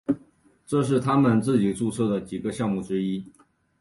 这是他们自己注资的几个项目之一。